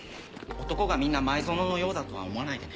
男がみんな前薗のようだとは思わないでね。